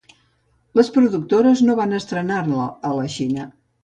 Les productores no van estrenar-la a la Xina.